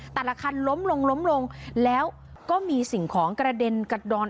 แต่ละคันล้มลงล้มลงแล้วก็มีสิ่งของกระเด็นกระดอน